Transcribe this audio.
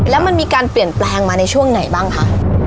แล้วมันมีการเปลี่ยนแปลงมาในช่วงไหนบ้างคะ